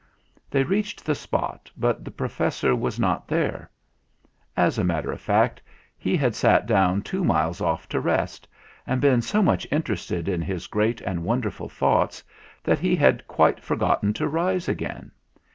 They reached the spot, but the Professor was not there. As a matter of fact he had sat down two miles off to rest, and been so much inter ested in his great and wonderful thoughts that he had quite forgotten to rise again.